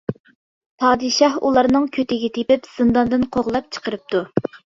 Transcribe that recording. پادىشاھ ئۇلارنىڭ كۆتىگە تېپىپ زىنداندىن قوغلاپ چىقىرىپتۇ.